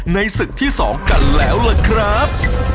ในศึกที่๒กันแล้วล่ะครับ